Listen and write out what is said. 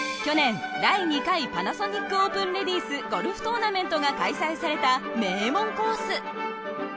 去年第２回パナソニックオープンレディースゴルフトーナメントが開催された名門コース。